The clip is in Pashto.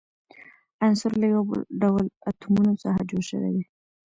عنصر له یو ډول اتومونو څخه جوړ شوی وي.